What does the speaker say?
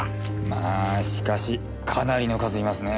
まあしかしかなりの数いますね。